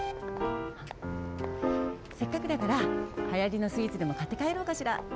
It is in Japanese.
せっかくだからはやりのスイーツでもかってかえろうかしら。